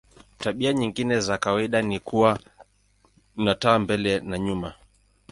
Tabia nyingine za kawaida ni kuwa na taa mbele na nyuma.